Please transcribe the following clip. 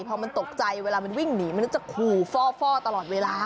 พอมันตกใจเวลามันวิ่งหนีมันจะขู่ฟ่อตลอดเวลา